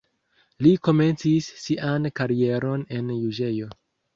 Li komencis sian karieron en juĝejo.